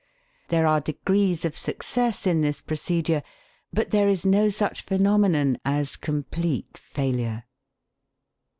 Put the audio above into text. There are degrees of success in this procedure, but there is no such phenomenon as complete failure.